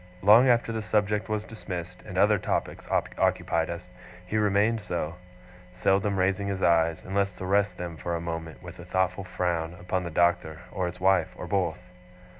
Long after the subject was dismissed, and other topics occupied us, he remained so; seldom raising his eyes, unless to rest them for a moment, with a thoughtful frown, upon the Doctor, or his wife, or both.